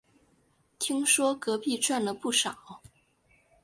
听说隔壁赚了不少